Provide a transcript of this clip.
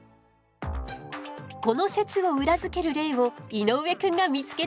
この説を裏付ける例を井之上くんが見つけたの。